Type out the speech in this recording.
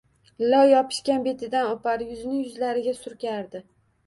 Loy yopishgan betidan o‘par yuzini yuzlariga surkardi